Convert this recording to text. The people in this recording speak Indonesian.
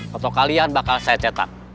foto kalian bakal saya cetak